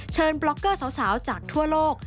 บล็อกเกอร์สาวจากทั่วโลก